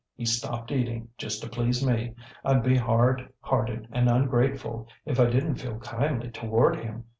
He stopped eating just to please me. IŌĆÖd be hard hearted and ungrateful if I didnŌĆÖt feel kindly toward him.